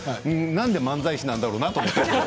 何で漫才師なんだろうなと思って。